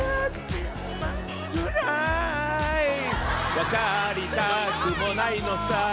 分かりたくもないのさ